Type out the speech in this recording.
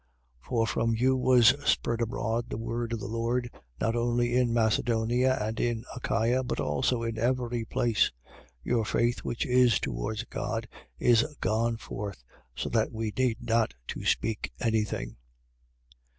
1:8. For from you was spread abroad the word of the Lord not only in Macedonia and in Achaia but also in every place: your faith which is towards God, is gone forth, so that we need not to speak any thing.